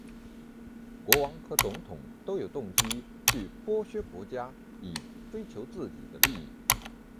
国王和总统都有动机会去剥削国家以追求自己的利益。